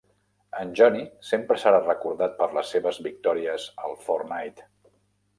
En Johnny sempre serà recordat per les seves victòries al "Fortnite".